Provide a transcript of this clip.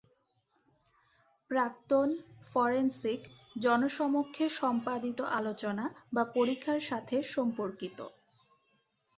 প্রাক্তন, ফরেনসিক, জনসমক্ষে সম্পাদিত আলোচনা বা পরীক্ষার সাথে সম্পর্কিত।